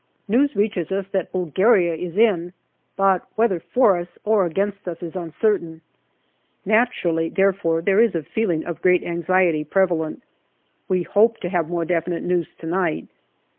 News reaches us that Bulgaria is in, but whether for us or against us is uncertain. Naturally, therefore, there is a feeling of great anxiety prevalent. We hope to have more definite news to night.